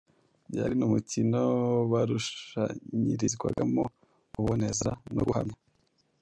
byari n’umukino barushanyirizwagamo kuboneza no guhamya.